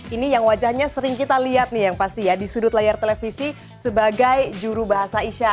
ini yang wajahnya sering kita lihat nih yang pasti ya di sudut layar televisi sebagai juru bahasa isya